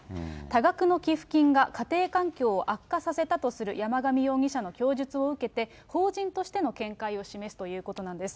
多額の寄付金が家庭環境を悪化させたとする山上容疑者の供述を受けて、法人としての見解を示すということなんです。